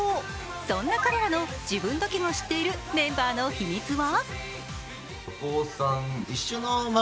そんな彼らの自分だけが知っているメンバーの秘密は？